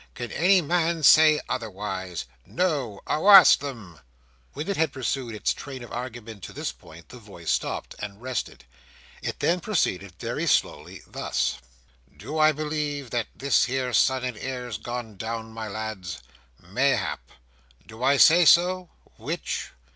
Can any man say otherwise? No. Awast then!" When it had pursued its train of argument to this point, the voice stopped, and rested. It then proceeded very slowly, thus: "Do I believe that this here Son and Heir's gone down, my lads? Mayhap. Do I say so? Which?